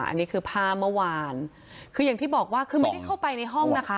อันนี้คือภาพเมื่อวานคืออย่างที่บอกว่าคือไม่ได้เข้าไปในห้องนะคะ